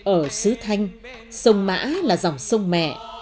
ở sứ thanh sông mã là dòng sông mẹ